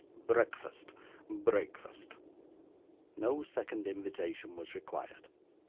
'Breakfast, breakfast.' No second invitation was required.